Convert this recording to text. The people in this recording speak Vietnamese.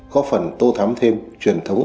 có phần tô thám thêm truyền thống